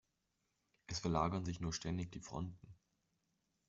Es verlagern sich nur ständig die Fronten.